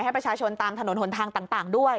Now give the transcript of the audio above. ให้ประชาชนตามถนนหนทางต่างด้วย